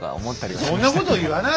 そんなこと言わないで！